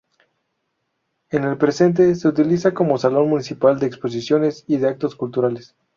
En el presente se utiliza como Salón Municipal de Exposiciones y de actos culturales.